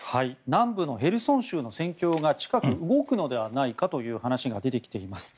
南部のヘルソン州の戦況が近く、動くのではないかという話が出てきています。